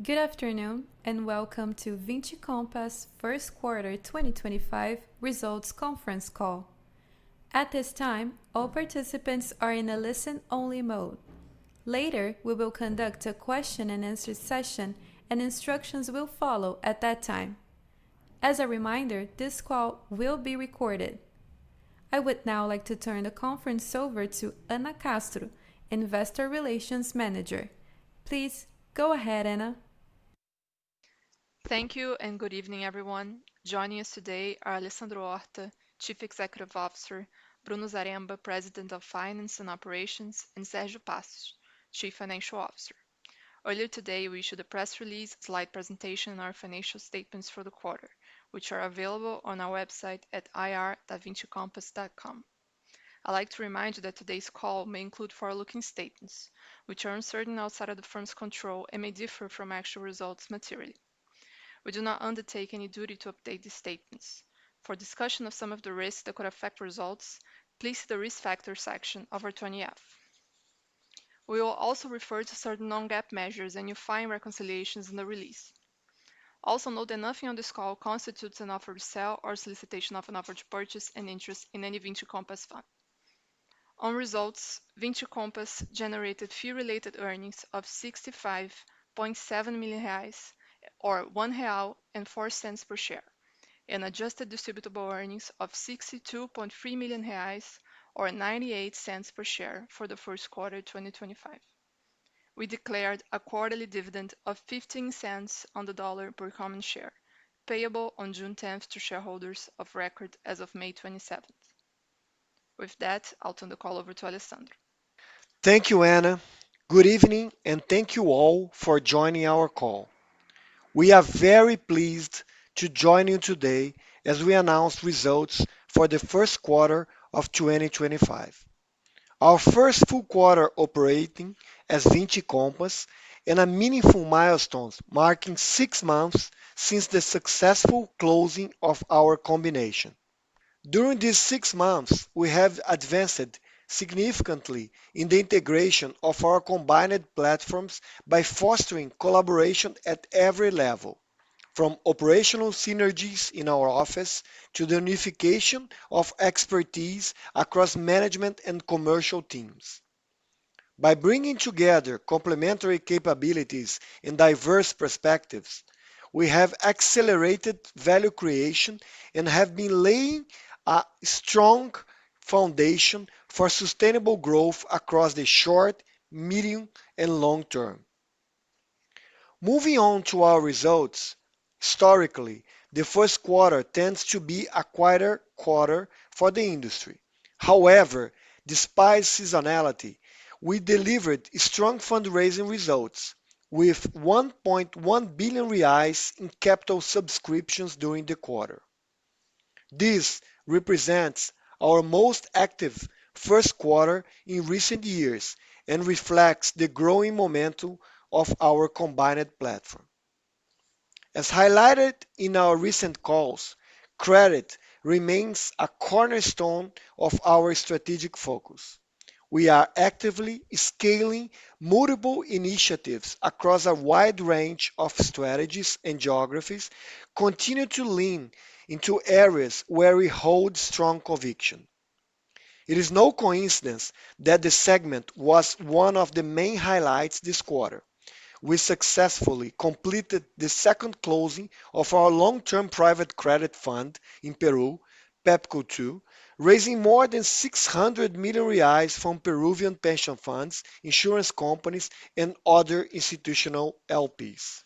Good afternoon and welcome to Vinci Compass First Quarter 2025 Results Conference Call. At this time, all participants are in a listen-only mode. Later, we will conduct a question-and-answer session, and instructions will follow at that time. As a reminder, this call will be recorded. I would now like to turn the conference over to Ana Castro, Investor Relations Manager. Please go ahead, Ana. Thank you and good evening, everyone. Joining us today are Alessandro Horta, Chief Executive Officer; Bruno Zaremba, President of Finance and Operations; and Sérgio Passos, Chief Financial Officer. Earlier today, we issued a press release, slide presentation, and our financial statements for the quarter, which are available on our website at ir-vincicompass.com. I'd like to remind you that today's call may include forward-looking statements, which are uncertain outside of the firm's control and may differ from actual results materially. We do not undertake any duty to update these statements. For discussion of some of the risks that could affect results, please see the Risk Factors section of our 20F. We will also refer to certain non-GAAP measures and you'll find reconciliations in the release. Also note that nothing on this call constitutes an offer to sell or solicitation of an offer to purchase an interest in any Vinci Compass fund. On results, Vinci Compass generated fee-related earnings of 65.7 million reais or 1.04 real per share, and adjusted distributable earnings of 62.3 million reais or 0.98 per share for the first quarter of 2025. We declared a quarterly dividend of $0.15 per common share, payable on June 10th to shareholders of record as of May 27th. With that, I'll turn the call over to Alessandro. Thank you, Anna. Good evening and thank you all for joining our call. We are very pleased to join you today as we announce results for the first quarter of 2025. Our first full quarter operating as Vinci Compass and a meaningful milestone marking six months since the successful closing of our combination. During these six months, we have advanced significantly in the integration of our combined platforms by fostering collaboration at every level, from operational synergies in our office to the unification of expertise across management and commercial teams. By bringing together complementary capabilities and diverse perspectives, we have accelerated value creation and have been laying a strong foundation for sustainable growth across the short, medium, and long term. Moving on to our results, historically, the first quarter tends to be a quieter quarter for the industry. However, despite seasonality, we delivered strong fundraising results with 1.1 billion reais in capital subscriptions during the quarter. This represents our most active first quarter in recent years and reflects the growing momentum of our combined platform. As highlighted in our recent calls, credit remains a cornerstone of our strategic focus. We are actively scaling multiple initiatives across a wide range of strategies and geographies, continuing to lean into areas where we hold strong conviction. It is no coincidence that the segment was one of the main highlights this quarter. We successfully completed the second closing of our long-term private credit fund in Peru, PEPCO2, raising more than 600 million reais from Peruvian pension funds, insurance companies, and other institutional LPs.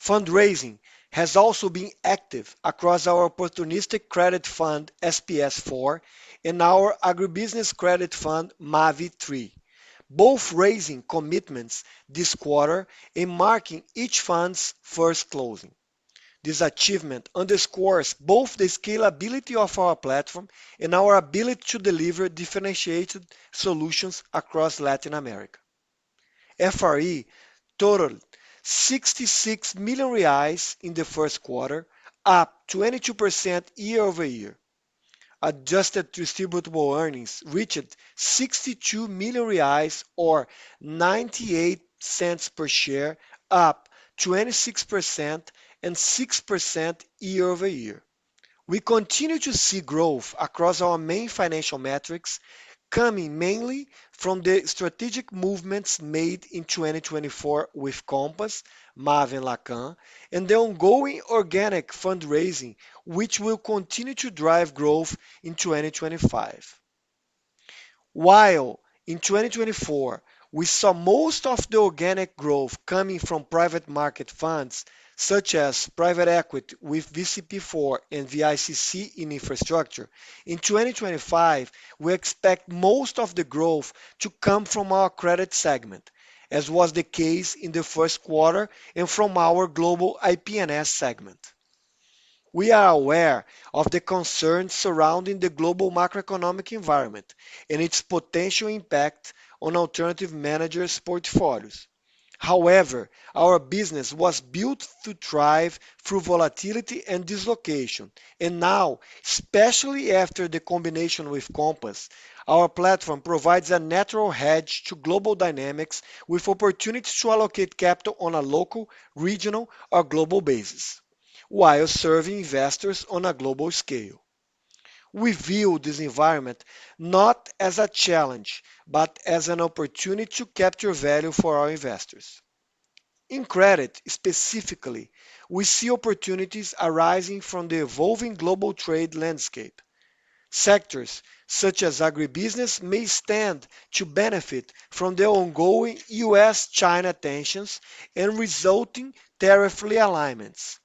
Fundraising has also been active across our opportunistic credit fund, SPS4, and our agribusiness credit fund, MAVI3, both raising commitments this quarter and marking each fund's first closing. This achievement underscores both the scalability of our platform and our ability to deliver differentiated solutions across Latin America. FRE totaled 66 million reais in the first quarter, up 22% year over year. Adjusted distributable earnings reached 62 million reais or 0.98 per share, up 26% and 6% year-over-year. We continue to see growth across our main financial metrics, coming mainly from the strategic movements made in 2024 with Compass, MAVI, and Lacan, and the ongoing organic fundraising, which will continue to drive growth in 2025. While in 2024, we saw most of the organic growth coming from private market funds such as private equity with VCP4 and VICC in infrastructure, in 2025, we expect most of the growth to come from our credit segment, as was the case in the first quarter, and from our global IP&S segment. We are aware of the concerns surrounding the global macroeconomic environment and its potential impact on alternative managers' portfolios. However, our business was built to thrive through volatility and dislocation, and now, especially after the combination with Compass, our platform provides a natural hedge to global dynamics with opportunities to allocate capital on a local, regional, or global basis, while serving investors on a global scale. We view this environment not as a challenge, but as an opportunity to capture value for our investors. In credit specifically, we see opportunities arising from the evolving global trade landscape. Sectors such as agribusiness may stand to benefit from the ongoing U.S.-China tensions and resulting tariff realignments.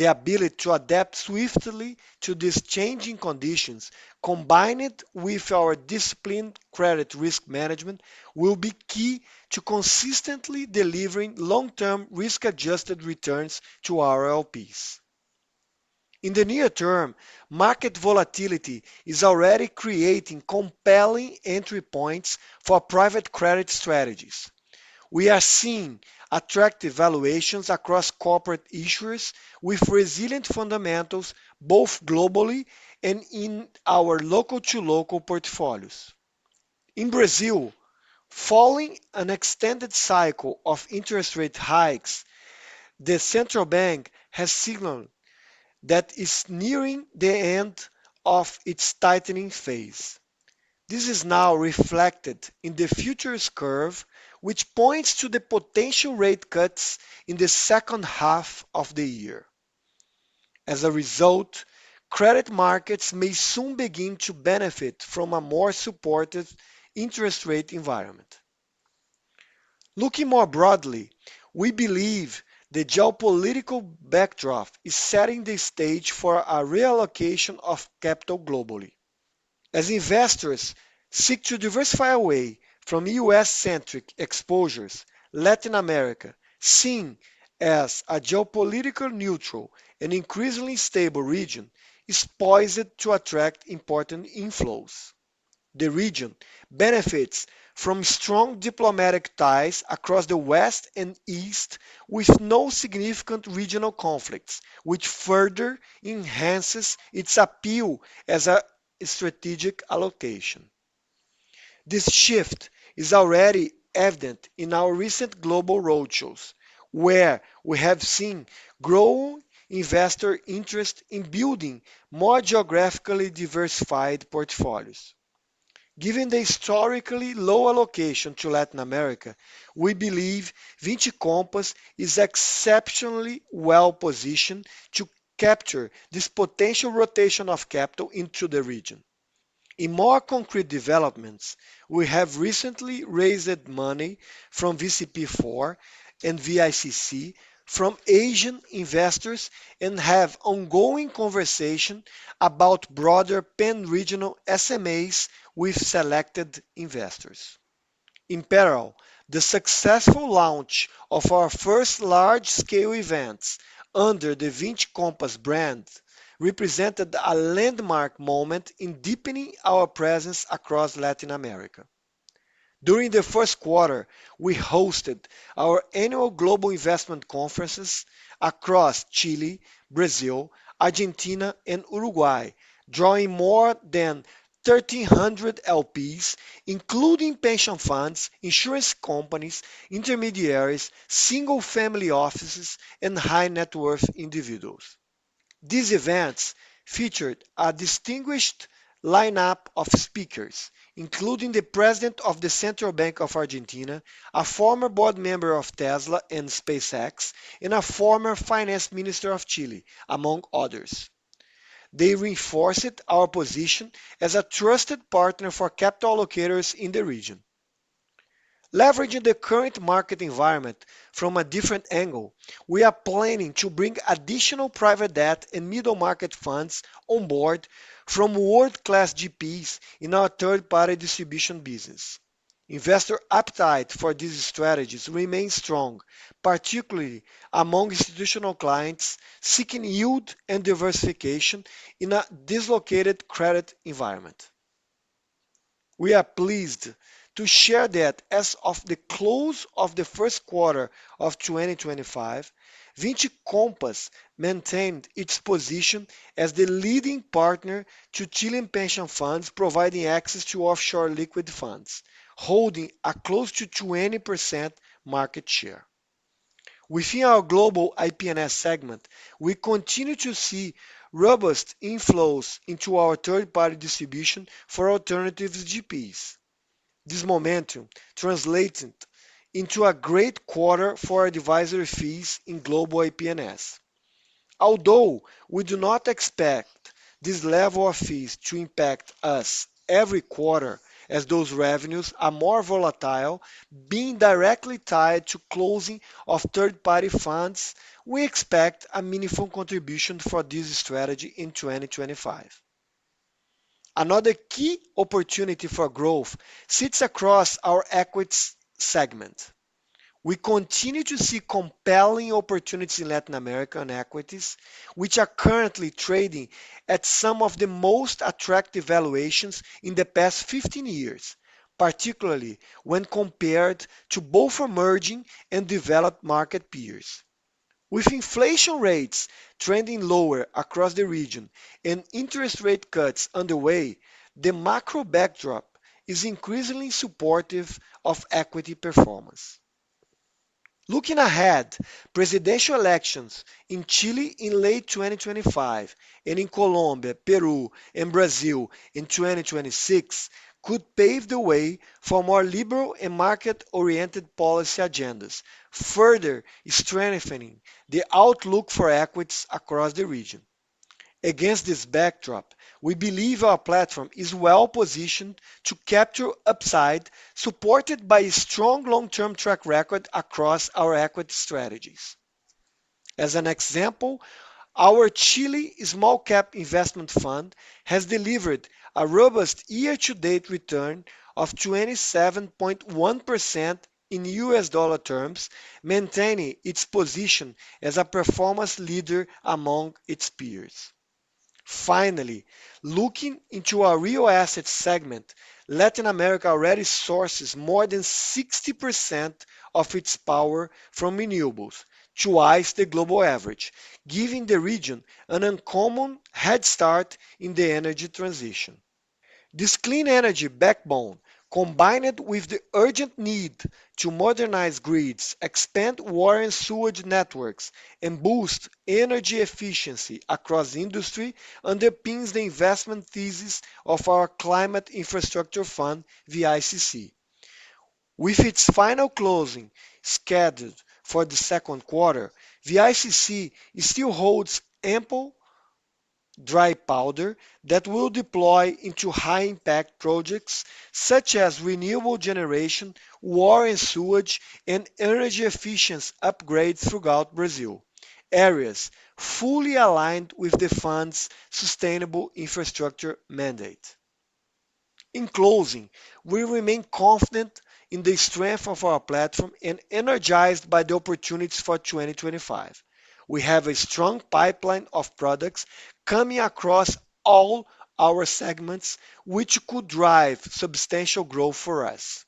The ability to adapt swiftly to these changing conditions, combined with our disciplined credit risk management, will be key to consistently delivering long-term risk-adjusted returns to our LPs. In the near term, market volatility is already creating compelling entry points for private credit strategies. We are seeing attractive valuations across corporate issuers with resilient fundamentals both globally and in our local-to-local portfolios. In Brazil, following an extended cycle of interest rate hikes, the central bank has signaled that it's nearing the end of its tightening phase. This is now reflected in the futures curve, which points to the potential rate cuts in the second half of the year. As a result, credit markets may soon begin to benefit from a more supportive interest rate environment. Looking more broadly, we believe the geopolitical backdrop is setting the stage for a reallocation of capital globally. As investors seek to diversify away from U.S.-centric exposures, Latin America, seen as a geopolitically neutral and increasingly stable region, is poised to attract important inflows. The region benefits from strong diplomatic ties across the West and East, with no significant regional conflicts, which further enhances its appeal as a strategic allocation. This shift is already evident in our recent global roadshows, where we have seen growing investor interest in building more geographically diversified portfolios. Given the historically low allocation to Latin America, we believe Vinci Compass is exceptionally well-positioned to capture this potential rotation of capital into the region. In more concrete developments, we have recently raised money from VCP4 and VICC from Asian investors and have ongoing conversations about broader pan-regional SMAs with selected investors. In Peru, the successful launch of our first large-scale events under the Vinci Compass brand represented a landmark moment in deepening our presence across Latin America. During the first quarter, we hosted our annual global investment conferences across Chile, Brazil, Argentina, and Uruguay, drawing more than 1,300 LPs, including pension funds, insurance companies, intermediaries, single-family offices, and high-net-worth individuals. These events featured a distinguished lineup of speakers, including the President of the Central Bank of Argentina, a former board member of Tesla and SpaceX, and a former Finance Minister of Chile, among others. They reinforced our position as a trusted partner for capital allocators in the region. Leveraging the current market environment from a different angle, we are planning to bring additional private debt and middle-market funds on board from world-class GPs in our third-party distribution business. Investor appetite for these strategies remains strong, particularly among institutional clients seeking yield and diversification in a dislocated credit environment. We are pleased to share that as of the close of the first quarter of 2025, Vinci Compass maintained its position as the leading partner to Chilean pension funds, providing access to offshore liquid funds, holding a close to 20% market share. Within our global IP&S segment, we continue to see robust inflows into our third-party distribution for alternative GPs. This momentum translates into a great quarter for advisory fees in global IP&S. Although we do not expect this level of fees to impact us every quarter, as those revenues are more volatile, being directly tied to closing of third-party funds, we expect a meaningful contribution for this strategy in 2025. Another key opportunity for growth sits across our equities segment. We continue to see compelling opportunities in Latin American equities, which are currently trading at some of the most attractive valuations in the past 15 years, particularly when compared to both emerging and developed market peers. With inflation rates trending lower across the region and interest rate cuts underway, the macro backdrop is increasingly supportive of equity performance. Looking ahead, presidential elections in Chile in late 2025 and in Colombia, Peru, and Brazil in 2026 could pave the way for more liberal and market-oriented policy agendas, further strengthening the outlook for equities across the region. Against this backdrop, we believe our platform is well-positioned to capture upside, supported by a strong long-term track record across our equity strategies. As an example, our Chile Small Cap Investment Fund has delivered a robust year-to-date return of 27.1% in U.S. dollar terms, maintaining its position as a performance leader among its peers. Finally, looking into our real asset segment, Latin America already sources more than 60% of its power from renewables, twice the global average, giving the region an uncommon head start in the energy transition. This clean energy backbone, combined with the urgent need to modernize grids, expand water and sewage networks, and boost energy efficiency across the industry, underpins the investment thesis of our Climate Infrastructure Fund, VICC. With its final closing scheduled for the second quarter, VICC still holds ample dry powder that will deploy into high-impact projects such as renewable generation, water and sewage, and energy efficiency upgrades throughout Brazil, areas fully aligned with the fund's sustainable infrastructure mandate. In closing, we remain confident in the strength of our platform and energized by the opportunities for 2025. We have a strong pipeline of products coming across all our segments, which could drive substantial growth for us.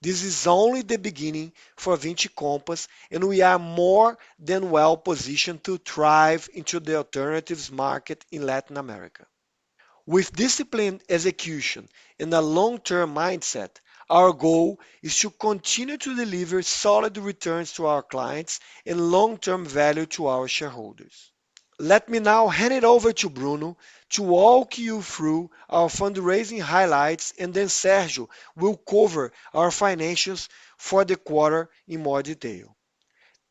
This is only the beginning for Vinci Compass, and we are more than well-positioned to thrive into the alternatives market in Latin America. With disciplined execution and a long-term mindset, our goal is to continue to deliver solid returns to our clients and long-term value to our shareholders. Let me now hand it over to Bruno to walk you through our fundraising highlights, and then Sergio will cover our financials for the quarter in more detail.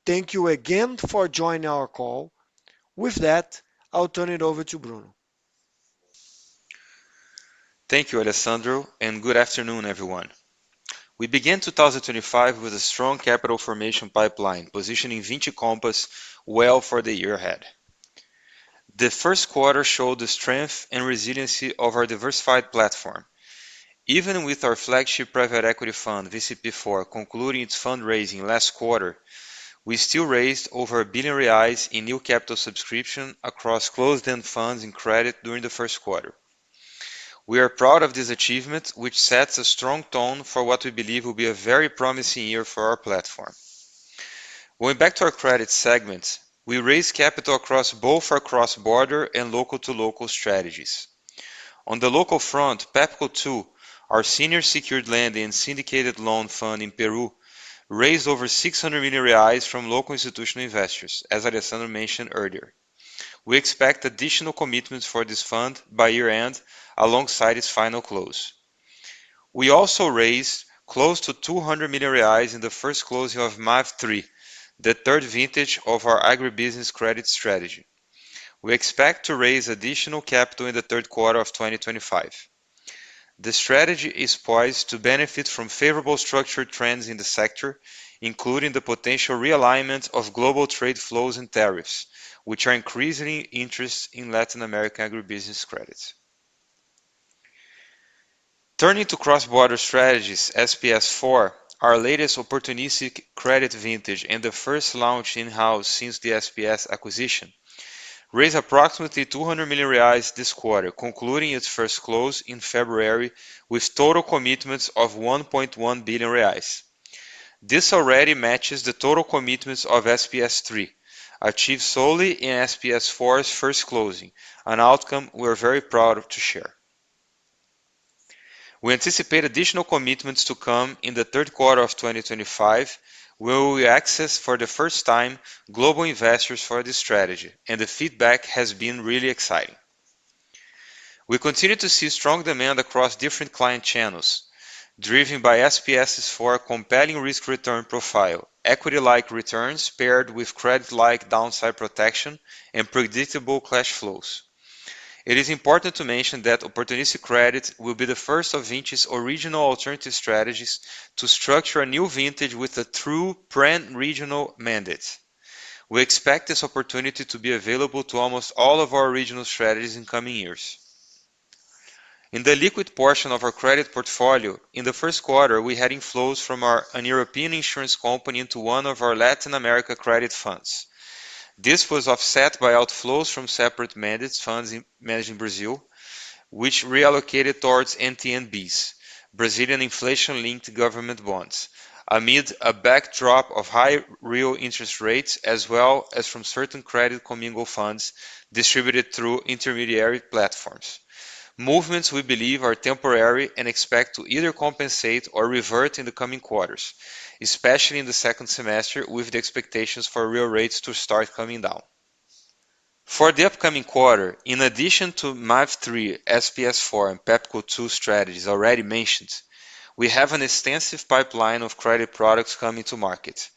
Thank you again for joining our call. With that, I'll turn it over to Bruno. Thank you, Alessandro, and good afternoon, everyone. We began 2025 with a strong capital formation pipeline, positioning Vinci Compass well for the year ahead. The first quarter showed the strength and resiliency of our diversified platform. Even with our flagship private equity fund, VCP4, concluding its fundraising last quarter, we still raised over 1 billion reais in new capital subscriptions across closed-end funds in credit during the first quarter. We are proud of this achievement, which sets a strong tone for what we believe will be a very promising year for our platform. Going back to our credit segment, we raised capital across both our cross-border and local-to-local strategies. On the local front, PEPCO2, our senior secured lending and syndicated loan fund in Peru, raised over 600 million reais from local institutional investors, as Alessandro mentioned earlier. We expect additional commitments for this fund by year-end alongside its final close. We also raised close to 200 million reais in the first close of MAVI3, the third vintage of our agribusiness credit strategy. We expect to raise additional capital in the third quarter of 2025. The strategy is poised to benefit from favorable structure trends in the sector, including the potential realignment of global trade flows and tariffs, which are increasing interest in Latin American agribusiness credit. Turning to cross-border strategies, SPS IV, our latest opportunistic credit vintage and the first launch in-house since the SPS acquisition, raised approximately 200 million reais this quarter, concluding its first close in February with total commitments of 1.1 billion reais. This already matches the total commitments of SPS III, achieved solely in SPS IV's first closing, an outcome we are very proud to share. We anticipate additional commitments to come in the third quarter of 2025, where we accessed for the first time global investors for this strategy, and the feedback has been really exciting. We continue to see strong demand across different client channels, driven by SPS's compelling risk-return profile, equity-like returns paired with credit-like downside protection, and predictable cash flows. It is important to mention that Opportunistic Credit will be the first of Vinci's original alternative strategies to structure a new vintage with a true pan-regional mandate. We expect this opportunity to be available to almost all of our regional strategies in coming years. In the liquid portion of our credit portfolio, in the first quarter, we had inflows from a European insurance company into one of our Latin America credit funds. This was offset by outflows from separate mandate funds managed in Brazil, which reallocated towards NTNBs, Brazilian inflation-linked government bonds, amid a backdrop of high real interest rates, as well as from certain credit comingle funds distributed through intermediary platforms. Movements we believe are temporary and expect to either compensate or revert in the coming quarters, especially in the second semester, with the expectations for real rates to start coming down. For the upcoming quarter, in addition to MAVI3, SPS4, and PEPCO2 strategies already mentioned, we have an extensive pipeline of credit products coming to market.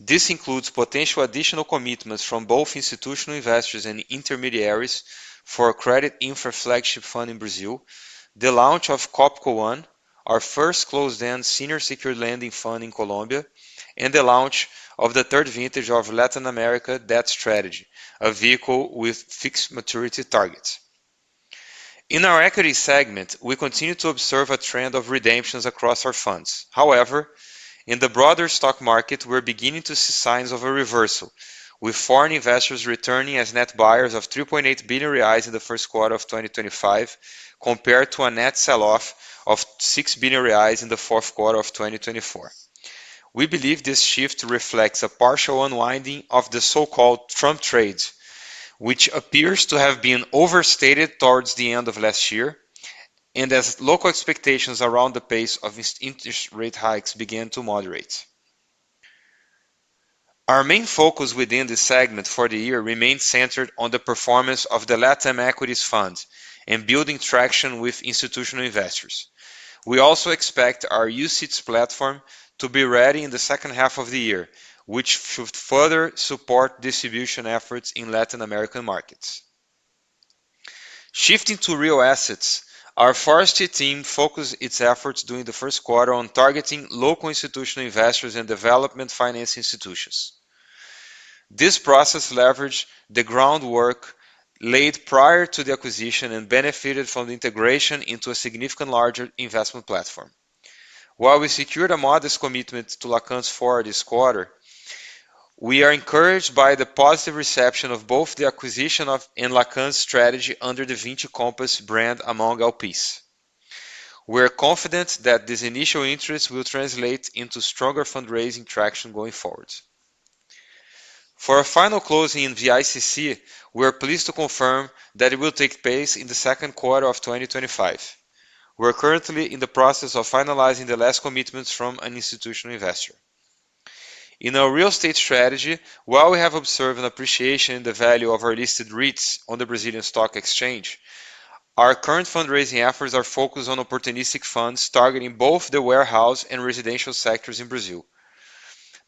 This includes potential additional commitments from both institutional investors and intermediaries for a credit infra flagship fund in Brazil, the launch of Coppey One, our first closed-end senior secured lending fund in Colombia, and the launch of the third vintage of Latin America Debt Strategy, a vehicle with fixed maturity targets. In our equity segment, we continue to observe a trend of redemptions across our funds. However, in the broader stock market, we're beginning to see signs of a reversal, with foreign investors returning as net buyers of 3.8 billion reais in the first quarter of 2025, compared to a net sell-off of 6 billion reais in the fourth quarter of 2024. We believe this shift reflects a partial unwinding of the so-called Trump trades, which appears to have been overstated towards the end of last year, and as local expectations around the pace of interest rate hikes began to moderate. Our main focus within this segment for the year remains centered on the performance of the Latin equities fund and building traction with institutional investors. We also expect our UCITS platform to be ready in the second half of the year, which should further support distribution efforts in Latin American markets. Shifting to real assets, our forestry team focused its efforts during the first quarter on targeting local institutional investors and development finance institutions. This process leveraged the groundwork laid prior to the acquisition and benefited from the integration into a significantly larger investment platform. While we secured a modest commitment to Lacan's fund this quarter, we are encouraged by the positive reception of both the acquisition and Lacan's strategy under the Vinci Compass brand among LPs. We are confident that this initial interest will translate into stronger fundraising traction going forward. For our final closing in VICC, we are pleased to confirm that it will take place in the second quarter of 2025. We are currently in the process of finalizing the last commitments from an institutional investor. In our real estate strategy, while we have observed an appreciation in the value of our listed REITs on the Brazilian stock exchange, our current fundraising efforts are focused on opportunistic funds targeting both the warehouse and residential sectors in Brazil.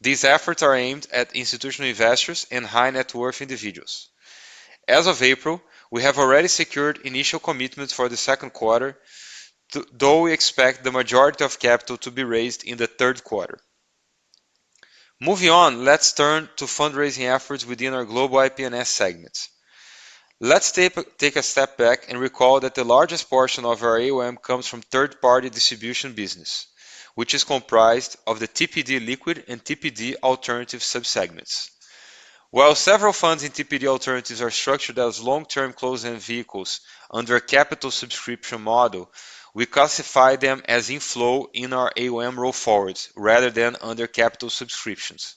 These efforts are aimed at institutional investors and high-net-worth individuals. As of April, we have already secured initial commitments for the second quarter, though we expect the majority of capital to be raised in the third quarter. Moving on, let's turn to fundraising efforts within our global IP&S segment. Let's take a step back and recall that the largest portion of our AUM comes from third-party distribution business, which is comprised of the TPD Liquid and TPD Alternative subsegments. While several funds in TPD Alternatives are structured as long-term closed-end vehicles under a capital subscription model, we classify them as inflow in our AUM roll forwards rather than under capital subscriptions.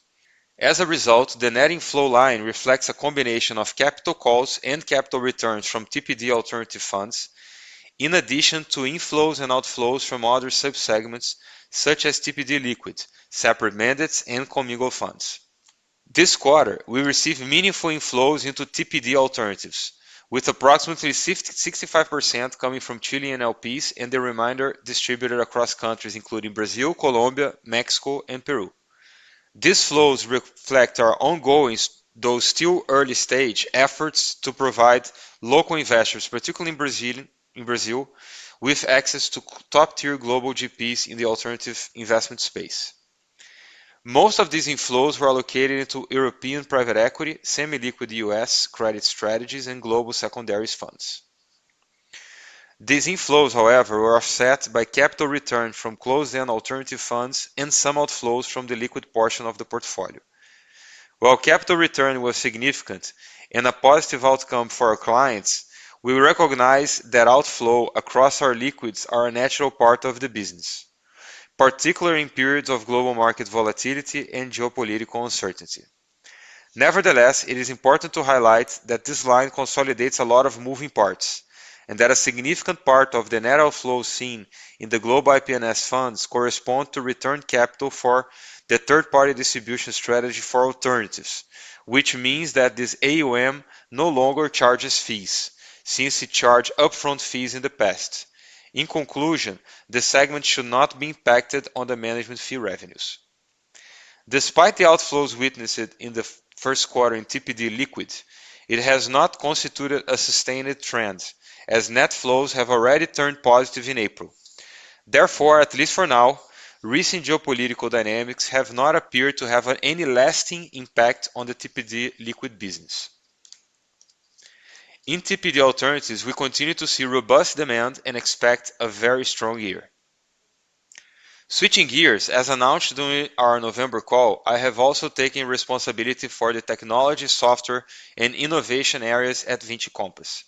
As a result, the net inflow line reflects a combination of capital calls and capital returns from TPD Alternative funds, in addition to inflows and outflows from other subsegments such as TPD Liquid, separate mandates, and comingle funds. This quarter, we received meaningful inflows into TPD Alternatives, with approximately 65% coming from Chilean LPs and the remainder distributed across countries including Brazil, Colombia, Mexico, and Peru. These flows reflect our ongoing, though still early-stage, efforts to provide local investors, particularly in Brazil, with access to top-tier global GPs in the alternative investment space. Most of these inflows were allocated into European private equity, semi-liquid U.S. credit strategies, and global secondaries funds. These inflows, however, were offset by capital returns from closed-end alternative funds and some outflows from the liquid portion of the portfolio. While capital return was significant and a positive outcome for our clients, we recognize that outflow across our liquids are a natural part of the business, particularly in periods of global market volatility and geopolitical uncertainty. Nevertheless, it is important to highlight that this line consolidates a lot of moving parts and that a significant part of the net outflow seen in the global IP&S funds corresponds to return capital for the third-party distribution strategy for alternatives, which means that this AUM no longer charges fees since it charged upfront fees in the past. In conclusion, the segment should not be impacted on the management fee revenues. Despite the outflows witnessed in the first quarter in TPD Liquid, it has not constituted a sustained trend, as net flows have already turned positive in April. Therefore, at least for now, recent geopolitical dynamics have not appeared to have any lasting impact on the TPD Liquid business. In TPD Alternatives, we continue to see robust demand and expect a very strong year. Switching gears, as announced during our November call, I have also taken responsibility for the technology, software, and innovation areas at Vinci Compass.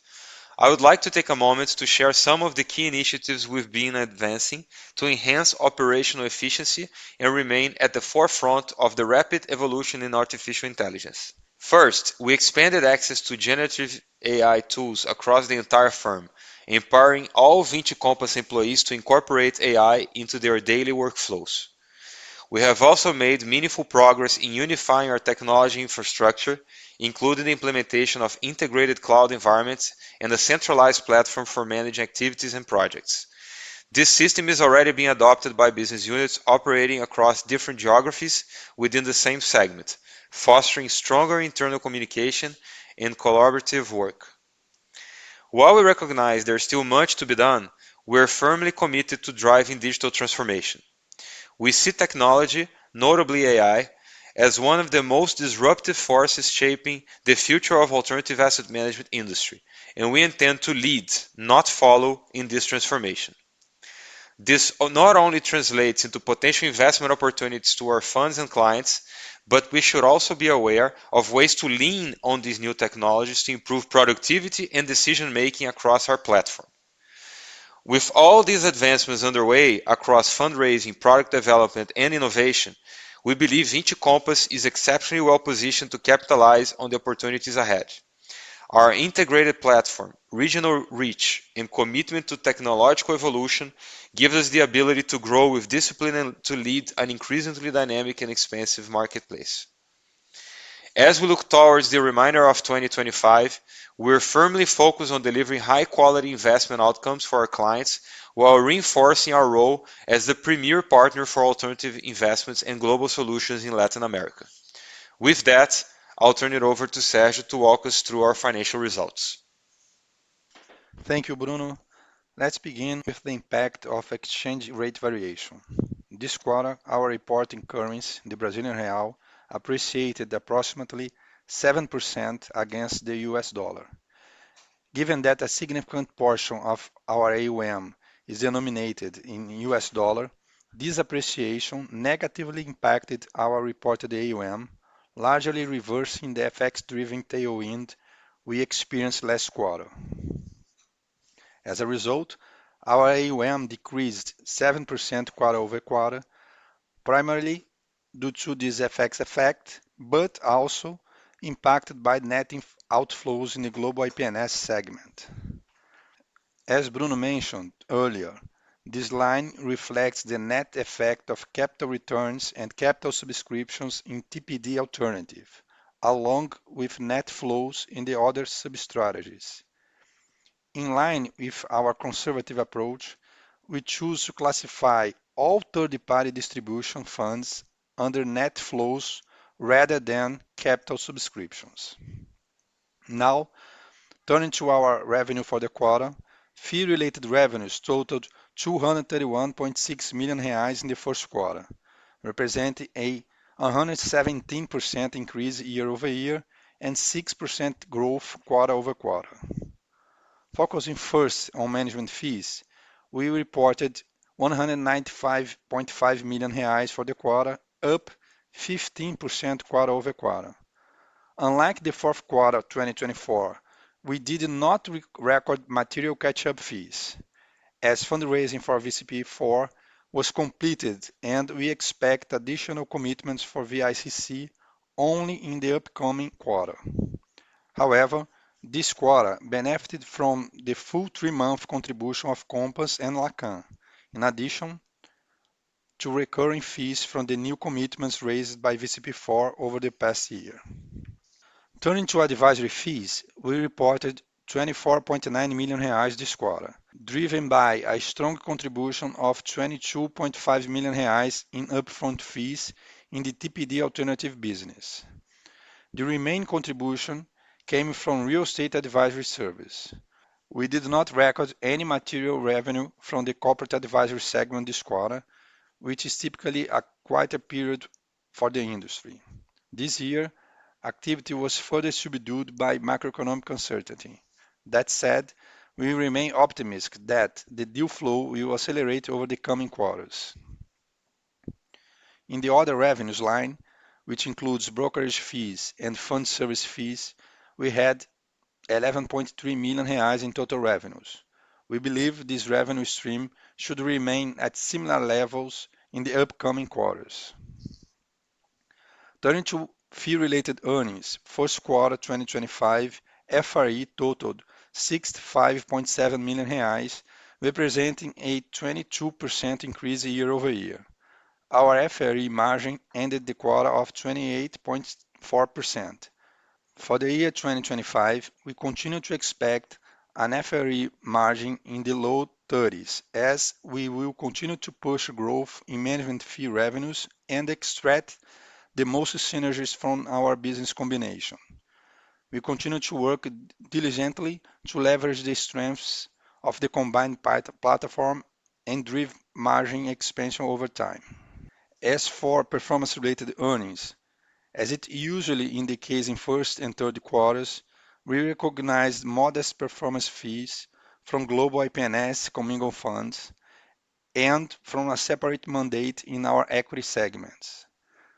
I would like to take a moment to share some of the key initiatives we've been advancing to enhance operational efficiency and remain at the forefront of the rapid evolution in artificial intelligence. First, we expanded access to generative AI tools across the entire firm, empowering all Vinci Compass employees to incorporate AI into their daily workflows. We have also made meaningful progress in unifying our technology infrastructure, including the implementation of integrated cloud environments and a centralized platform for managing activities and projects. This system is already being adopted by business units operating across different geographies within the same segment, fostering stronger internal communication and collaborative work. While we recognize there's still much to be done, we are firmly committed to driving digital transformation. We see technology, notably AI, as one of the most disruptive forces shaping the future of the alternative asset management industry, and we intend to lead, not follow, in this transformation. This not only translates into potential investment opportunities to our funds and clients, but we should also be aware of ways to lean on these new technologies to improve productivity and decision-making across our platform. With all these advancements underway across fundraising, product development, and innovation, we believe Vinci Compass is exceptionally well-positioned to capitalize on the opportunities ahead. Our integrated platform, regional reach, and commitment to technological evolution give us the ability to grow with discipline and to lead an increasingly dynamic and expansive marketplace. As we look towards the remainder of 2025, we are firmly focused on delivering high-quality investment outcomes for our clients while reinforcing our role as the premier partner for alternative investments and global solutions in Latin America. With that, I'll turn it over to Sérgio to walk us through our financial results. Thank you, Bruno. Let's begin with the impact of exchange rate variation. This quarter, our reporting currency, the Brazilian Real, appreciated approximately 7% against the U.S. Dollar. Given that a significant portion of our AUM is denominated in U.S. Dollar, this appreciation negatively impacted our reported AUM, largely reversing the FX-driven tailwind we experienced last quarter. As a result, our AUM decreased 7% quarter over quarter, primarily due to this FX effect, but also impacted by net outflows in the global IP&S segment. As Bruno mentioned earlier, this line reflects the net effect of capital returns and capital subscriptions in TPD Alternative, along with net flows in the other sub-strategies. In line with our conservative approach, we choose to classify all third-party distribution funds under net flows rather than capital subscriptions. Now, turning to our revenue for the quarter, fee-related revenues totaled 231.6 million reais in the first quarter, representing a 117% increase year over year and 6% growth quarter over quarter. Focusing first on management fees, we reported 195.5 million reais for the quarter, up 15% quarter-over-quarter. Unlike the fourth quarter of 2024, we did not record material catch-up fees, as fundraising for VCP4 was completed, and we expect additional commitments for VICC only in the upcoming quarter. However, this quarter benefited from the full three-month contribution of Compass and Lacan, in addition to recurring fees from the new commitments raised by VCP4 over the past year. Turning to advisory fees, we reported 24.9 million reais this quarter, driven by a strong contribution of 22.5 million reais in upfront fees in the TPD Alternative business. The remaining contribution came from real estate advisory service. We did not record any material revenue from the corporate advisory segment this quarter, which is typically quite a period for the industry. This year, activity was further subdued by macroeconomic uncertainty. That said, we remain optimistic that the deal flow will accelerate over the coming quarters. In the other revenues line, which includes brokerage fees and fund service fees, we had 11.3 million reais in total revenues. We believe this revenue stream should remain at similar levels in the upcoming quarters. Turning to fee-related earnings, first quarter 2025, FRE totaled 65.7 million reais, representing a 22% increase year over year. Our FRE margin ended the quarter off 28.4%. For the year 2025, we continue to expect an FRE margin in the low 30%, as we will continue to push growth in management fee revenues and extract the most synergies from our business combination. We continue to work diligently to leverage the strengths of the combined platform and drive margin expansion over time. As for performance-related earnings, as it usually indicates in first and third quarters, we recognized modest performance fees from global IP&S, comingle funds, and from a separate mandate in our equity segments,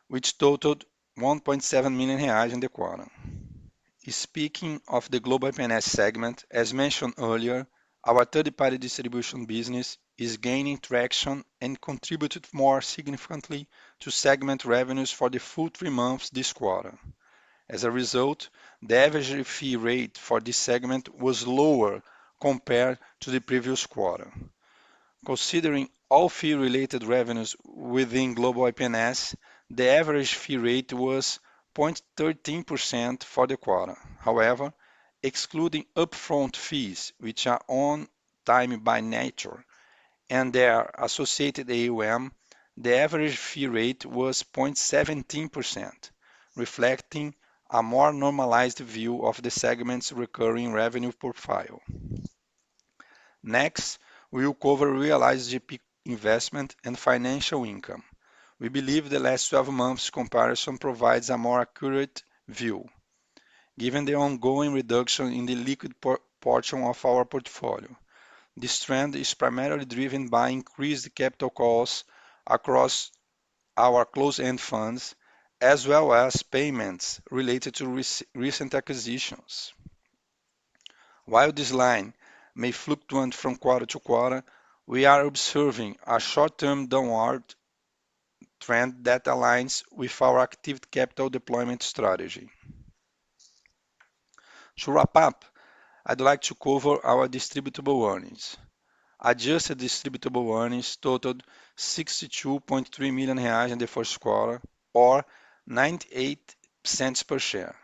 which totaled 1.7 million reais in the quarter. Speaking of the global IP&S segment, as mentioned earlier, our third-party distribution business is gaining traction and contributed more significantly to segment revenues for the full three months this quarter. As a result, the average fee rate for this segment was lower compared to the previous quarter. Considering all fee-related revenues within global IP&S, the average fee rate was 0.13% for the quarter. However, excluding upfront fees, which are one time by nature and their associated AUM, the average fee rate was 0.17%, reflecting a more normalized view of the segment's recurring revenue profile. Next, we'll cover realized GP investment and financial income. We believe the last 12 months' comparison provides a more accurate view. Given the ongoing reduction in the liquid portion of our portfolio, this trend is primarily driven by increased capital calls across our closed-end funds, as well as payments related to recent acquisitions. While this line may fluctuate from quarter to quarter, we are observing a short-term downward trend that aligns with our active capital deployment strategy. To wrap up, I'd like to cover our distributable earnings. Adjusted distributable earnings totaled 62.3 million reais in the first quarter, or 0.98 per share,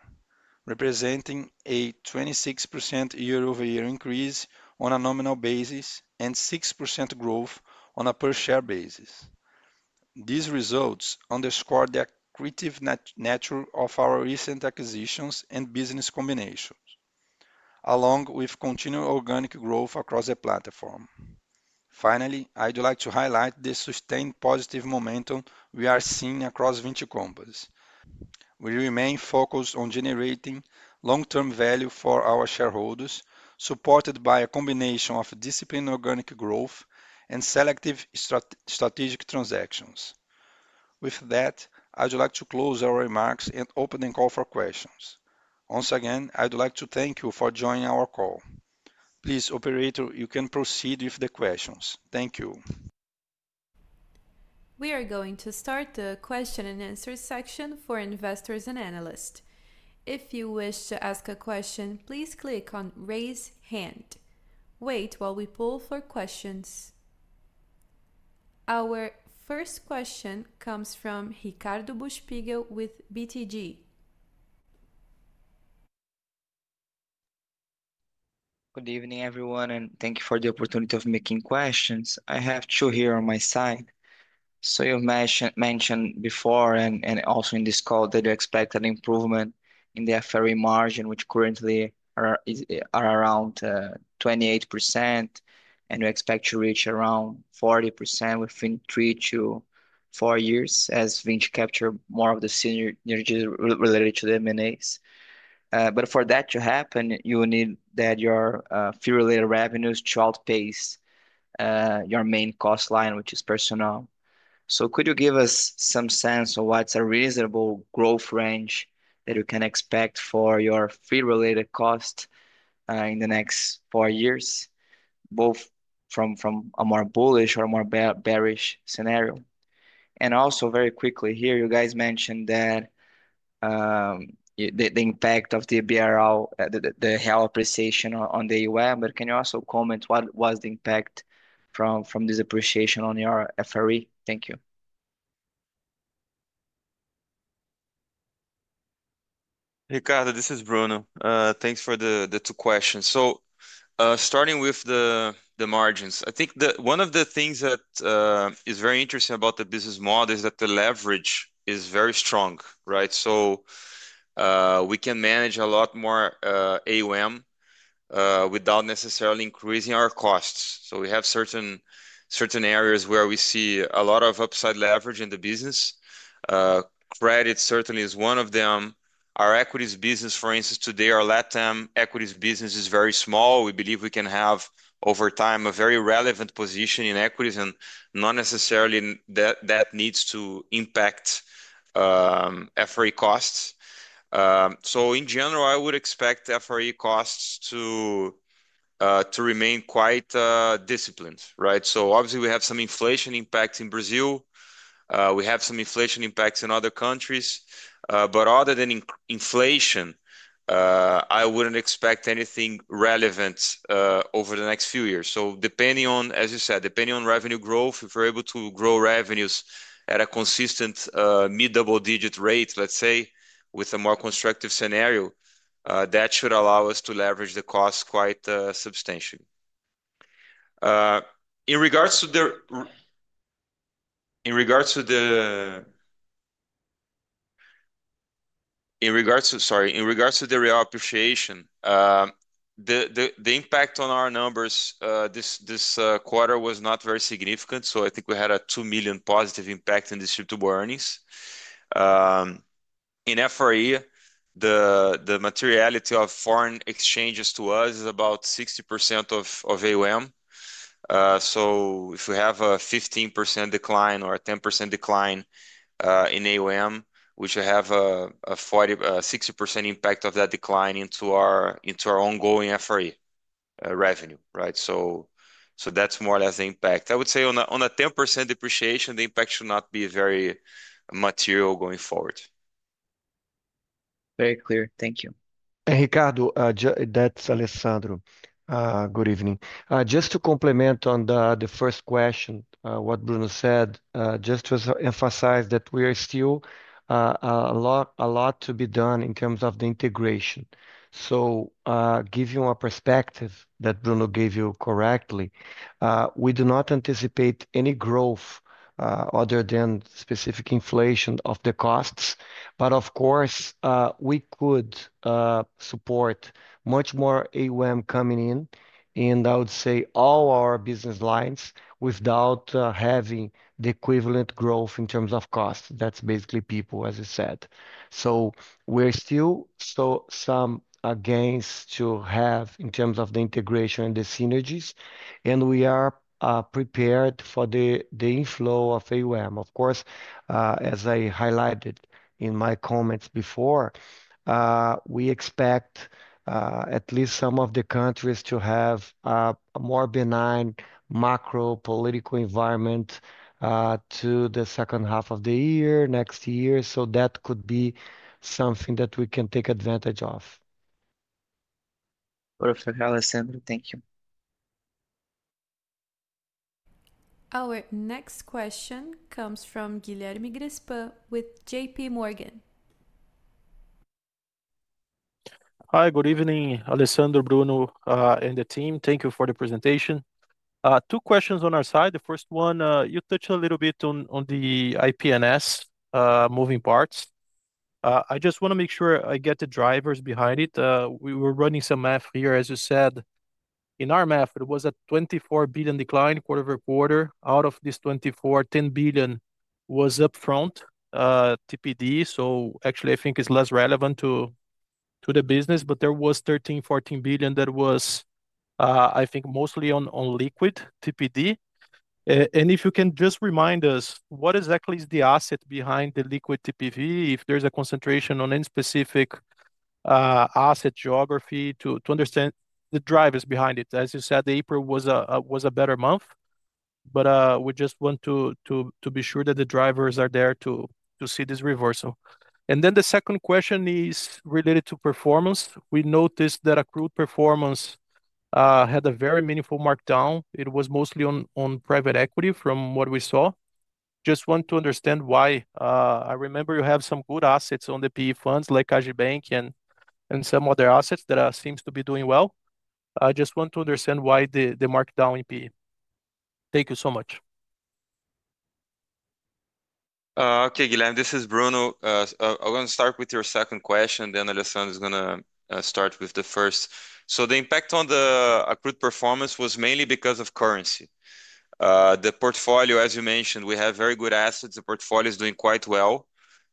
representing a 26% year-over-year increase on a nominal basis and 6% growth on a per-share basis. These results underscore the accretive nature of our recent acquisitions and business combinations, along with continued organic growth across the platform. Finally, I'd like to highlight the sustained positive momentum we are seeing across Vinci Compass. We remain focused on generating long-term value for our shareholders, supported by a combination of disciplined organic growth and selective strategic transactions. With that, I'd like to close our remarks and open the call for questions. Once again, I'd like to thank you for joining our call. Please, operator, you can proceed with the questions. Thank you. We are going to start the question and answer section for investors and analysts. If you wish to ask a question, please click on "Raise Hand." Wait while we pull for questions. Our first question comes from Ricardo Buchpiguel with BTG. Good evening, everyone, and thank you for the opportunity of making questions. I have two here on my side. You mentioned before and also in this call that you expect an improvement in the FRE margin, which currently are around 28%, and we expect to reach around 40% within three to four years as Vinci captures more of the synergies related to the M&As. For that to happen, you need your fee-related revenues to outpace your main cost line, which is personnel. Could you give us some sense of what's a reasonable growth range that you can expect for your fee-related cost in the next four years, both from a more bullish or a more bearish scenario? Also, very quickly here, you guys mentioned that the impact of the BRL, the health appreciation on the AUM, but can you also comment on what was the impact from this appreciation on your FRE? Thank you. Ricardo, this is Bruno. Thanks for the two questions. Starting with the margins, I think one of the things that is very interesting about the business model is that the leverage is very strong, right? We can manage a lot more AUM without necessarily increasing our costs. We have certain areas where we see a lot of upside leverage in the business. Credit certainly is one of them. Our equities business, for instance, today, our LATAM equities business is very small. We believe we can have, over time, a very relevant position in equities, and not necessarily that that needs to impact FRE costs. In general, I would expect FRE costs to remain quite disciplined, right? Obviously, we have some inflation impacts in Brazil. We have some inflation impacts in other countries. Other than inflation, I would not expect anything relevant over the next few years. Depending on, as you said, depending on revenue growth, if we're able to grow revenues at a consistent mid-double-digit rate, let's say, with a more constructive scenario, that should allow us to leverage the costs quite substantially. In regards to the, sorry, in regards to the real appreciation, the impact on our numbers this quarter was not very significant. I think we had a $2 million positive impact in distributable earnings. In FRE, the materiality of foreign exchanges to us is about 60% of AUM. If we have a 15% decline or a 10% decline in AUM, we should have a 60% impact of that decline into our ongoing FRE revenue, right? That's more or less the impact. I would say on a 10% depreciation, the impact should not be very material going forward. Very clear. Thank you. Ricardo, that's Alessandro. Good evening. Just to complement on the first question, what Bruno said, just to emphasize that we are still a lot to be done in terms of the integration. To give you a perspective that Bruno gave you correctly. We do not anticipate any growth other than specific inflation of the costs. Of course, we could support much more AUM coming in, and I would say all our business lines without having the equivalent growth in terms of costs. That is basically people, as you said. We are still some gains to have in terms of the integration and the synergies, and we are prepared for the inflow of AUM. Of course, as I highlighted in my comments before, we expect at least some of the countries to have a more benign macro political environment to the second half of the year, next year. That could be something that we can take advantage of. Perfect. Alessandro, thank you. Our next question comes from Guilherme Grespan with JPMorgan. Hi, good evening, Alessandro, Bruno, and the team. Thank you for the presentation. Two questions on our side. The first one, you touched a little bit on the IP&S moving parts. I just want to make sure I get the drivers behind it. We were running some math here, as you said. In our math, it was a $24 billion decline quarter over quarter. Out of this $24 billion, $10 billion was upfront TPD. Actually, I think it is less relevant to the business, but there was $13 billion-$14 billion that was, I think, mostly on liquid TPD. If you can just remind us, what exactly is the asset behind the liquid TPD, if there is a concentration on any specific asset geography to understand the drivers behind it? As you said, April was a better month, but we just want to be sure that the drivers are there to see this reversal. The second question is related to performance. We noticed that accrued performance had a very meaningful markdown. It was mostly on private equity from what we saw. Just want to understand why. I remember you have some good assets on the PE funds like AGIBank and some other assets that seem to be doing well. I just want to understand why the markdown in PE. Thank you so much. Okay, Guilherme, this is Bruno. I am going to start with your second question, then Alessandro is going to start with the first. The impact on the accrued performance was mainly because of currency. The portfolio, as you mentioned, we have very good assets. The portfolio is doing quite well.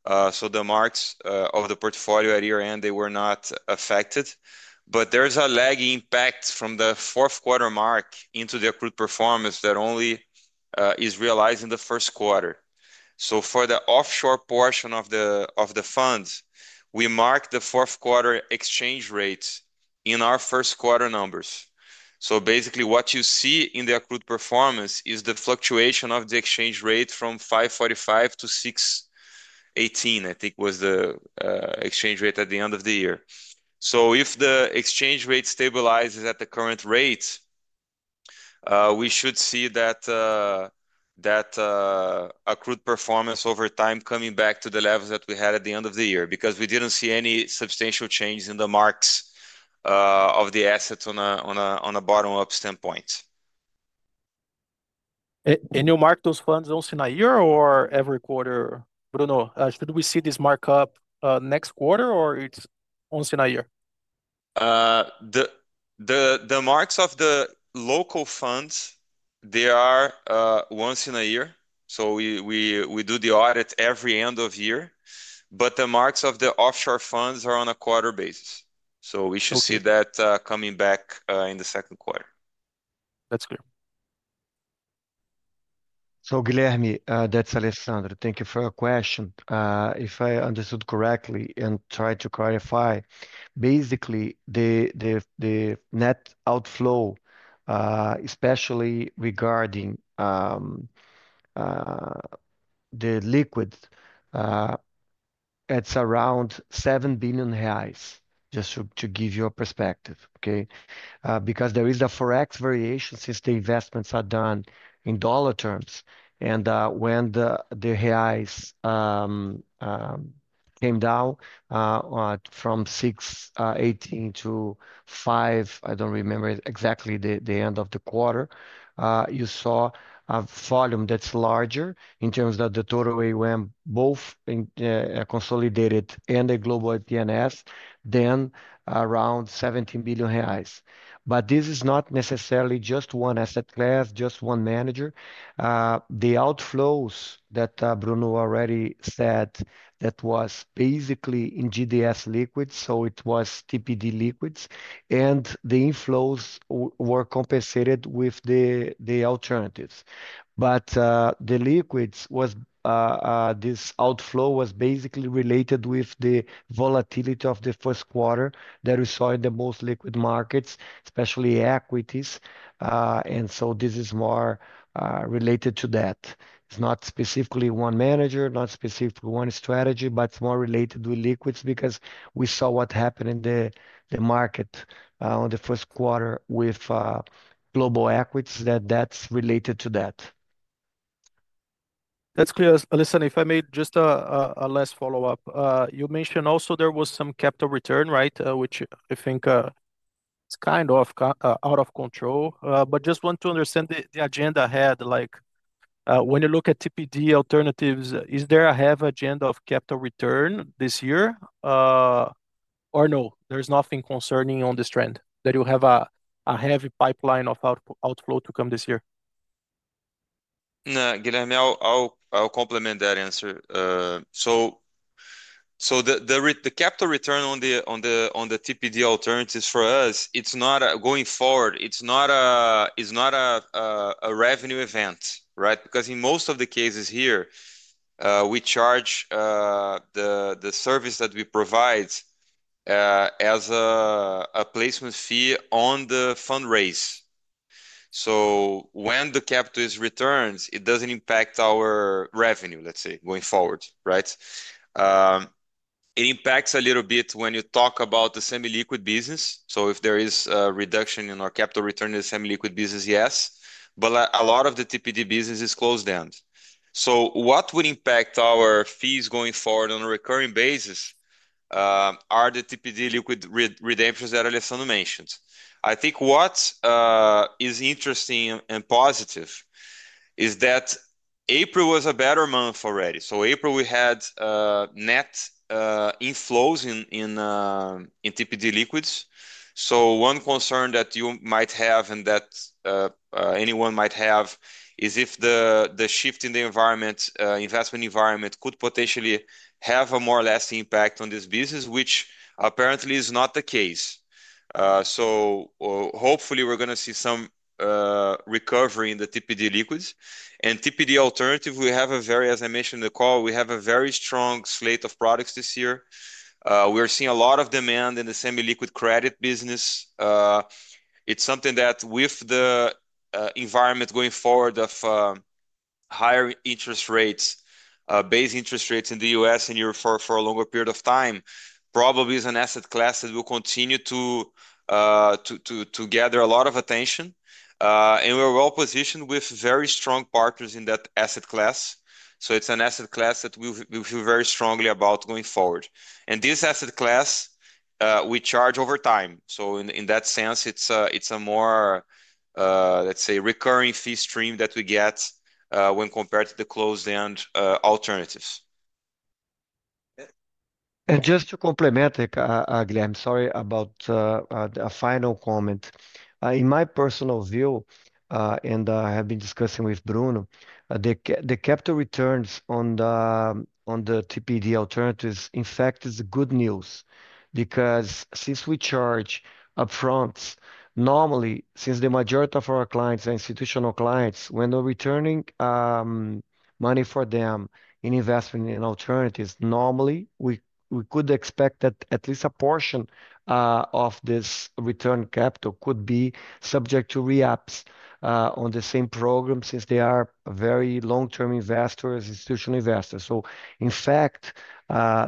The marks of the portfolio at year-end, they were not affected. There is a lagging impact from the fourth quarter mark into the accrued performance that only is realized in the first quarter. For the offshore portion of the funds, we marked the fourth quarter exchange rate in our first quarter numbers. What you see in the accrued performance is the fluctuation of the exchange rate from 5.45 to 6.18, I think was the exchange rate at the end of the year. If the exchange rate stabilizes at the current rate, we should see that accrued performance over time coming back to the levels that we had at the end of the year because we did not see any substantial change in the marks of the assets on a bottom-up standpoint. Any markdown funds once in a year or every quarter? Bruno, should we see this markup next quarter or is it once in a year? The marks of the local funds, they are once in a year. We do the audit every end of year. The marks of the offshore funds are on a quarter basis. We should see that coming back in the second quarter. That is good. Guilherme, that is Alessandro. Thank you for your question. If I understood correctly and tried to clarify, basically, the net outflow, especially regarding the liquid, it's around 7 billion reais, just to give you a perspective, okay? Because there is a Forex variation since the investments are done in dollar terms. And when the Reais came down from 6.18 to five, I don't remember exactly the end of the quarter, you saw a volume that's larger in terms of the total AUM, both consolidated and the global IP&S, then around 17 billion reais. This is not necessarily just one asset class, just one manager. The outflows that Bruno already said that was basically in GDS liquids, so it was TPD liquids, and the inflows were compensated with the alternatives. The liquids was this outflow was basically related with the volatility of the first quarter that we saw in the most liquid markets, especially equities. This is more related to that. It's not specifically one manager, not specifically one strategy, but it's more related to liquids because we saw what happened in the market in the first quarter with global equities. That's related to that. That's clear. Alessandro, if I may, just a last follow-up. You mentioned also there was some capital return, right, which I think is kind of out of control. I just want to understand the agenda ahead. When you look at TPD alternatives, is there a heavy agenda of capital return this year or no? There's nothing concerning on this trend that you have a heavy pipeline of outflow to come this year. No, Guilherme, I'll complement that answer. The capital return on the TPD alternatives for us, it's not going forward. It's not a revenue event, right? Because in most of the cases here, we charge the service that we provide as a placement fee on the fundraise. When the capital is returned, it does not impact our revenue, let's say, going forward, right? It impacts a little bit when you talk about the semi-liquid business. If there is a reduction in our capital return in the semi-liquid business, yes. A lot of the TPD business is close to the end. What would impact our fees going forward on a recurring basis are the TPD liquid redemptions that Alessandro mentioned. I think what is interesting and positive is that April was a better month already. April, we had net inflows in TPD liquids. One concern that you might have and that anyone might have is if the shift in the investment environment could potentially have a more or less impact on this business, which apparently is not the case. Hopefully, we're going to see some recovery in the TPD liquids. In TPD alternative, we have a very, as I mentioned in the call, we have a very strong slate of products this year. We're seeing a lot of demand in the semi-liquid credit business. It's something that with the environment going forward of higher interest rates, base interest rates in the U.S. and here for a longer period of time, probably is an asset class that will continue to gather a lot of attention. We're well positioned with very strong partners in that asset class. It's an asset class that we feel very strongly about going forward. This asset class, we charge over time. In that sense, it is a more, let's say, recurring fee stream that we get when compared to the closed-end alternatives. Just to complement, Guilherme, sorry about a final comment. In my personal view, and I have been discussing with Bruno, the capital returns on the TPD alternatives, in fact, is good news because since we charge upfront, normally, since the majority of our clients are institutional clients, when we are returning money for them in investment in alternatives, normally, we could expect that at least a portion of this returned capital could be subject to re-ups on the same program since they are very long-term investors, institutional investors. In fact,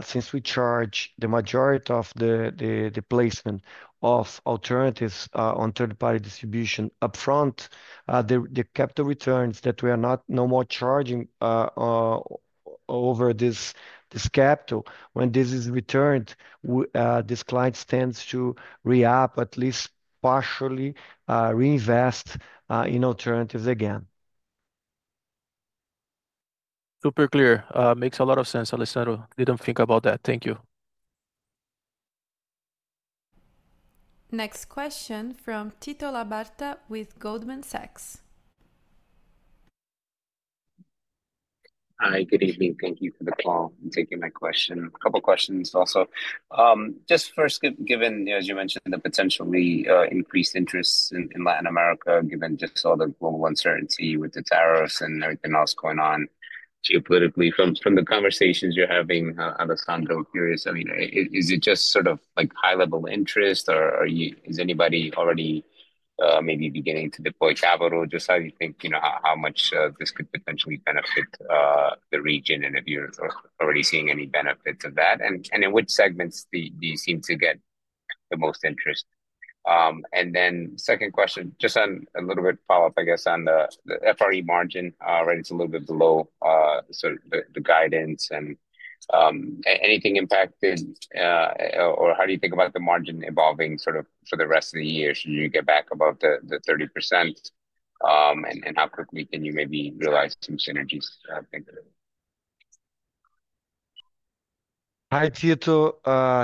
since we charge the majority of the placement of alternatives on third-party distribution upfront, the capital returns that we are no more charging over this capital, when this is returned, this client tends to re-up, at least partially reinvest in alternatives again. Super clear. Makes a lot of sense. Alessandro, I did not think about that. Thank you. Next question from Tito Labarta with Goldman Sachs. Hi, good evening. Thank you for the call and taking my question. A couple of questions also. Just first, given, as you mentioned, the potentially increased interest in Latin America, given just all the global uncertainty with the tariffs and everything else going on geopolitically, from the conversations you are having, Alessandro, curious, I mean, is it just sort of high-level interest or is anybody already maybe beginning to deploy capital? Just how do you think how much this could potentially benefit the region and if you're already seeing any benefits of that? In which segments do you seem to get the most interest? And then, second question, just a little bit follow-up, I guess, on the FRE margin, right? It's a little bit below sort of the guidance. Anything impacted or how do you think about the margin evolving sort of for the rest of the year? Should you get back above the 30%? How quickly can you maybe realize some synergies? Hi, Tito.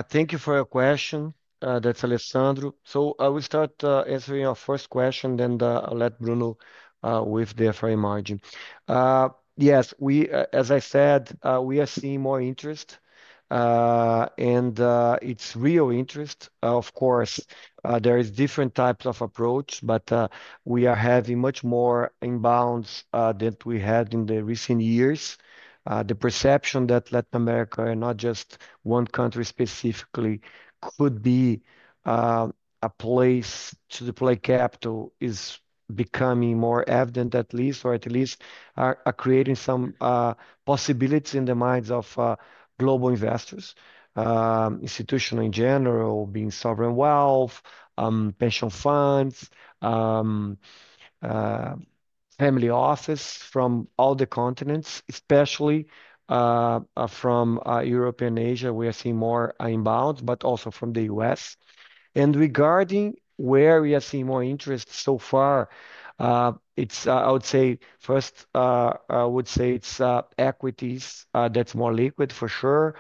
Thank you for your question. That's Alessandro. I will start answering our first question, then I'll let Bruno with the FRE margin. Yes, as I said, we are seeing more interest. It's real interest. Of course, there are different types of approaches, but we are having much more inbounds than we had in the recent years. The perception that Latin America and not just one country specifically could be a place to deploy capital is becoming more evident, at least, or at least are creating some possibilities in the minds of global investors, institutional in general, being sovereign wealth, pension funds, family office from all the continents, especially from Europe and Asia. We are seeing more inbounds, also from the U.S.. Regarding where we are seeing more interest so far, I would say first, I would say it's equities that's more liquid for sure.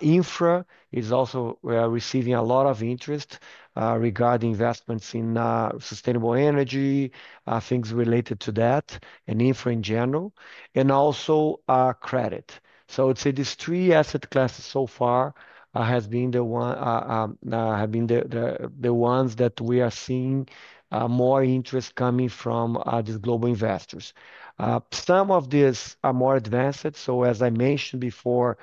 Infra is also receiving a lot of interest regarding investments in sustainable energy, things related to that, and infra in general, and also credit. I would say these three asset classes so far have been the ones that we are seeing more interest coming from these global investors. Some of these are more advanced. As I mentioned before,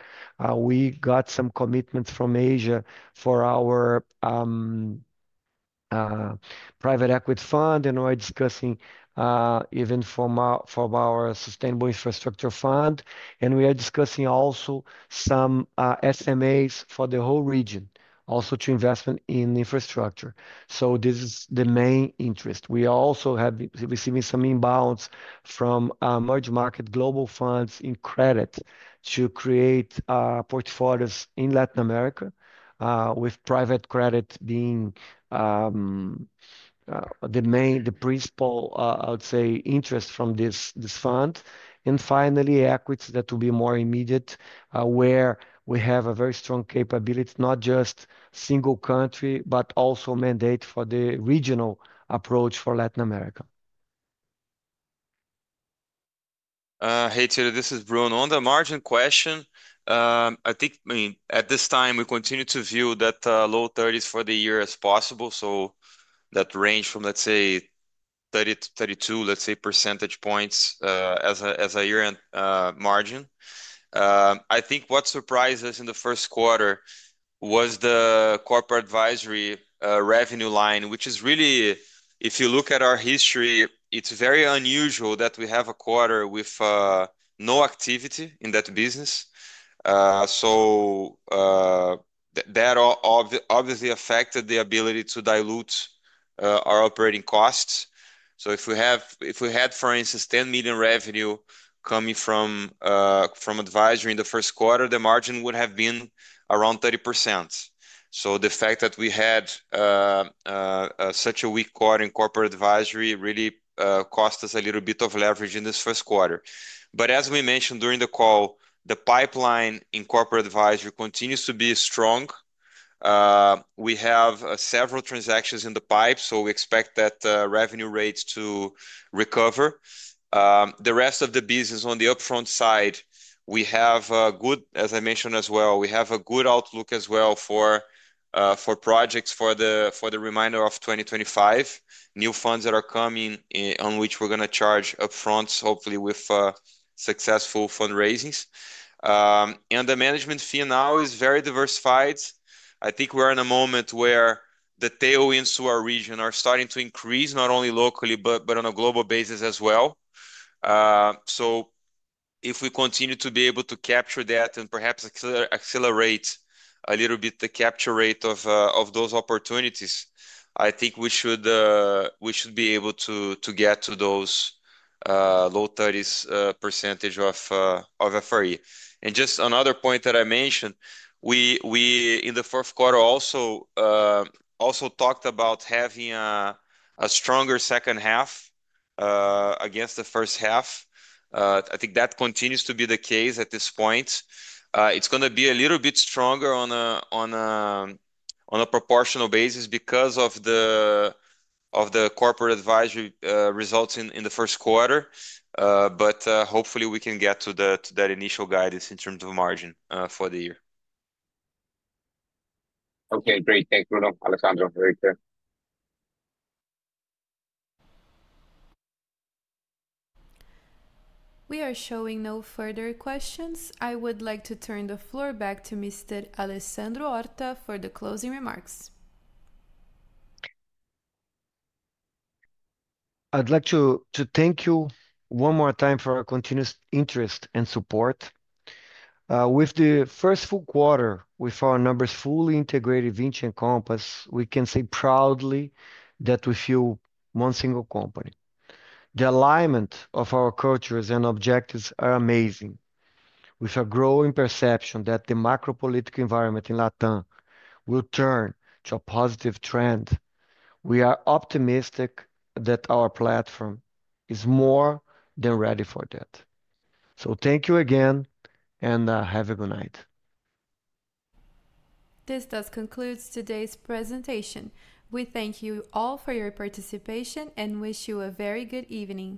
we got some commitments from Asia for our private equity fund, and we are discussing even from our sustainable infrastructure fund. We are discussing also some SMAs for the whole region, also to investment in infrastructure. This is the main interest. We are also receiving some inbounds from emerging market global funds in credit to create portfolios in Latin America, with private credit being the principal, I would say, interest from this fund. Finally, equities that will be more immediate, where we have a very strong capability, not just single country, but also mandate for the regional approach for Latin America. Hey, Tito, this is Bruno. On the margin question, I think at this time, we continue to view that low 30s for the year as possible. That range from, let's say, 30%-32%, let's say, percentage points as a year-end margin. I think what surprised us in the first quarter was the corporate advisory revenue line, which is really, if you look at our history, it's very unusual that we have a quarter with no activity in that business. That obviously affected the ability to dilute our operating costs. If we had, for instance, $10 million revenue coming from advisory in the first quarter, the margin would have been around 30%. The fact that we had such a weak quarter in corporate advisory really cost us a little bit of leverage in this first quarter. As we mentioned during the call, the pipeline in corporate advisory continues to be strong. We have several transactions in the pipe, so we expect that revenue rate to recover. The rest of the business on the upfront side, we have a good, as I mentioned as well, we have a good outlook as well for projects for the remainder of 2025, new funds that are coming on which we're going to charge upfront, hopefully with successful fundraisings. The management fee now is very diversified. I think we're in a moment where the tailwinds to our region are starting to increase, not only locally, but on a global basis as well. If we continue to be able to capture that and perhaps accelerate a little bit the capture rate of those opportunities, I think we should be able to get to those low 30% of FRE. Just another point that I mentioned, we in the fourth quarter also talked about having a stronger second half against the first half. I think that continues to be the case at this point. It is going to be a little bit stronger on a proportional basis because of the corporate advisory results in the first quarter. Hopefully, we can get to that initial guidance in terms of margin for the year. Okay, great. Thanks, Bruno, Alessandro, very clear. We are showing no further questions. I would like to turn the floor back to Mr. Alessandro Horta for the closing remarks. I'd like to thank you one more time for our continuous interest and support. With the first full quarter, with our numbers fully integrated, Vinci and Compass, we can say proudly that we fuel one single company. The alignment of our cultures and objectives is amazing. With a growing perception that the macro-political environment in Latin will turn to a positive trend, we are optimistic that our platform is more than ready for that. Thank you again and have a good night. This does conclude today's presentation. We thank you all for your participation and wish you a very good evening.